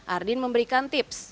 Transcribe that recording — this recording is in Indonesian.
ardine memberikan tips